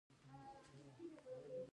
په هغه وخت کې مبادله د توکو په ډول کېدله